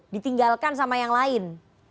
ditinggalkan sama yang lain